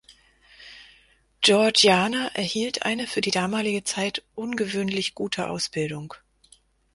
Georgiana erhielt eine für die damalige Zeit ungewöhnlich gute Ausbildung.